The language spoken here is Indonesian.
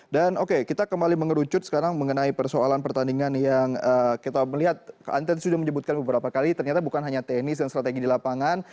dan oke kita kembali mengerucut sekarang mengenai persoalan pertandingan yang kita melihat antet sudah menyebutkan beberapa kali ternyata bukan hanya teknis dan strategi di lapangan